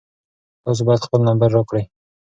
تاسو باید خپل نمبر راکړئ.